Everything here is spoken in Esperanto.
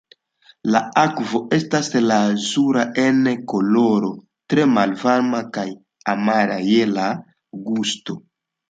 La akvo estas lazura en koloro, tre malvarma kaj amara je la gusto.